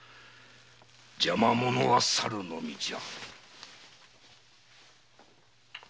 邪魔者は去るのみじゃ。